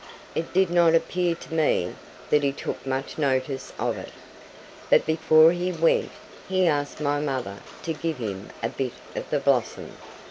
It did not appear to me that he took much notice of it, but before he went he asked my mother to give him a bit of the blossom.